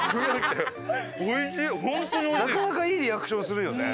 なかなかいいリアクションするよね。